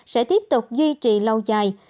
sẽ tiếp tục duy trì lâu dài